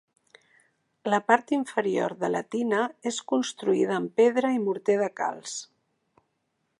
La part inferior de la tina és construïda amb pedra i morter de calç.